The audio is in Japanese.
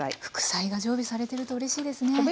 副菜が常備されてるとうれしいですね。